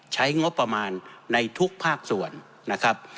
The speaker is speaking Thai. ใช้งบประมาณในทุกภาคส่วนนะครับ